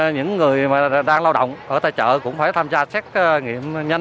những người mà đang lao động ở tại chợ cũng phải tham gia xét nghiệm nhanh